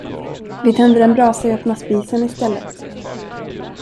Vi tänder en brasa i öppna spisen istället.